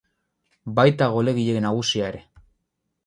Baita golegile nagusia ere.